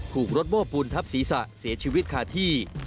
ถูกรถโม้ปูนทับศีรษะเสียชีวิตคาที่